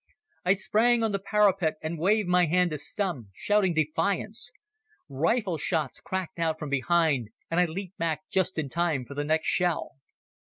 I sprang on the parapet and waved my hand to Stumm, shouting defiance. Rifle shots cracked out from behind, and I leaped back just in time for the next shell.